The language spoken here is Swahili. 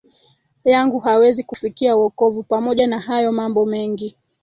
yangu hawezi kufikia wokovu Pamoja na hayo mambo mengi